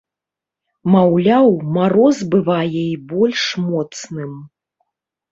Маўляў, мароз бывае і больш моцным.